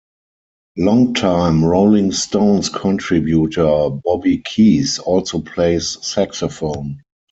Longtime Rolling Stones contributor Bobby Keys also plays saxophone.